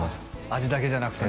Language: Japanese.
あ味だけじゃなくてね